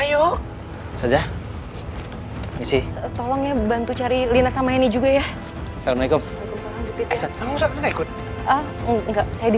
ayo saja isi tolongnya bantu cari lina sama ini juga ya assalamualaikum hai ustaz enggak saya di